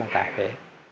ở tại huế